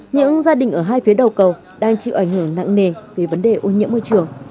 những gia đình ở hai phía đầu cầu đang chịu ảnh hưởng nặng nề về vấn đề ô nhiễm môi trường